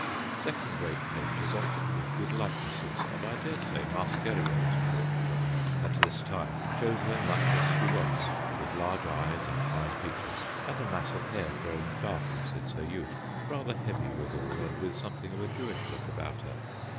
Second rate painters often give good likenesses, and I dare say Masquerier's portrait of her at this time shows her much as she was with large eyes and fine features and a mass of hair grown darker since her youth, rather heavy withal, and with something of a Jewish look about her.